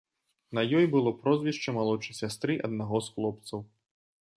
На ёй было прозвішча малодшай сястры аднаго з хлопцаў.